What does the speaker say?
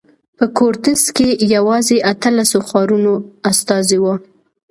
په کورتس کې یوازې اتلسو ښارونو استازي وو.